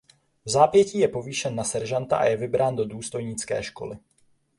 Vzápětí je povýšen na seržanta a je vybrán do důstojnické školy.